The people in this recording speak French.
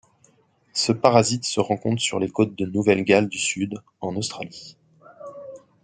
Ce parasite se rencontre sur les côtes de Nouvelles Galles du Sud, en Australie.